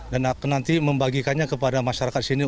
dan nanti membagikannya kepada masyarakat sini